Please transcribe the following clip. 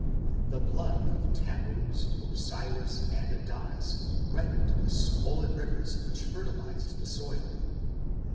The blood of Tammuz, Osiris, and Adonis reddened the swollen rivers which fertilized the soil.